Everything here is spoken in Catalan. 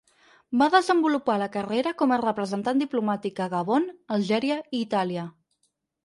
Va desenvolupar la carrera com a representat diplomàtic a Gabon, Algèria i Itàlia.